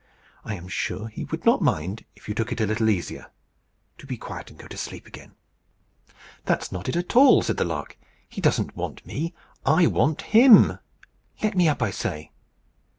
I am sure he would not mind if you took it a little easier. Do be quiet and go to sleep again." "That's not it at all," said the lark. "He doesn't want me. I want him. Let me up, I say."